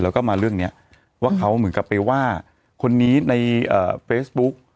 แล้วก็มาเรื่องนี้ว่าเขาเหมือนกับไปว่าคนนี้ในเฟซบุ๊ก